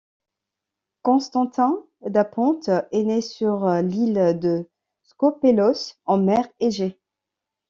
Constantin Dapontes est né sur l'île de Skópelos, en mer Égée.